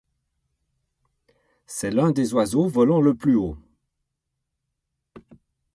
C'est l'un des oiseaux volant le plus haut.